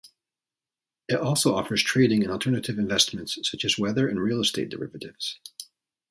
It also offers trading in alternative investments, such as weather and real estate derivatives.